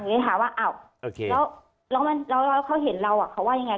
ก็เลยถามว่าอ่าวโอเคแล้วแล้วแล้วเขาเห็นเราอ่ะเขาว่ายังไง